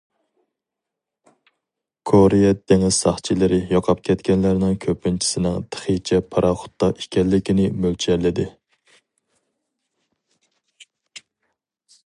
كورېيە دېڭىز ساقچىلىرى يوقاپ كەتكەنلەرنىڭ كۆپىنچىسىنىڭ تېخىچە پاراخوتتا ئىكەنلىكىنى مۆلچەرلىدى.